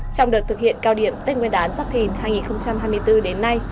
trong đợt thực hiện cao điểm tết nguyên đán giáp thìn hai nghìn hai mươi bốn đến nay